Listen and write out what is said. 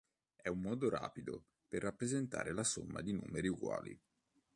È un modo rapido per rappresentare la somma di numeri uguali.